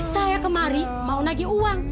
saya kemari mau nagi uang